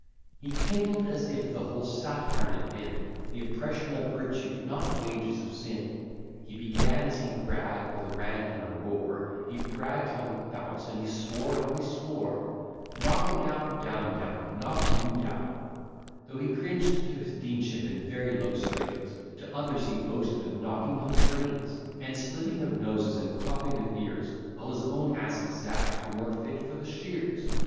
He kindled, as if the whole satire had been The oppression of virtue, not wages of sin: He began, as he bragg'd, with a rant and a roar; He bragg'd how he bounced, and he swore how he swore. Knock him down, etc. Though he cringed to his deanship in very low strains, To others he boasted of knocking out brains, And slitting of noses, and cropping of ears, While his own ass's zags were more fit for the shears.